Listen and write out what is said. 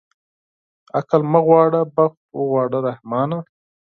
عقل مه غواړه بخت اوغواړه رحمانه.